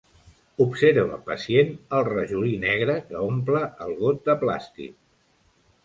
Observa pacient el rajolí negre que omple el got de plàstic.